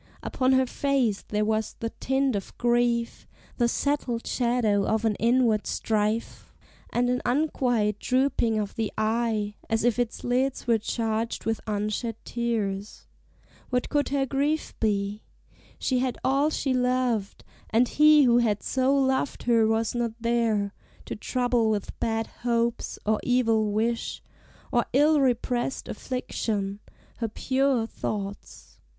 Upon her face there was the tint of grief, The settled shadow of an inward strife, And an unquiet drooping of the eye, As if its lids were charged with unshed tears. What could her grief be? she had all she loved, And he who had so loved her was not there To trouble with bad hopes, or evil wish, Or ill repressed affliction, her pure thoughts.